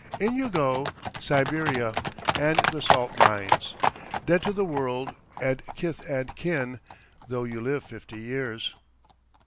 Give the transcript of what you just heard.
In you go, Siberia and the salt mines. Dead to the world and kith and kin, though you live fifty years."